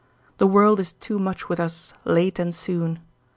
"The world is too much with us, late and soon."